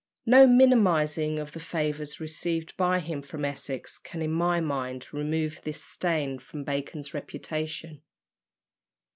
No minimising of the favours received by him from Essex can in my mind remove this stain from Bacon's reputation.